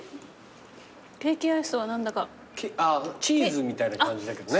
チーズみたいな感じだけどね。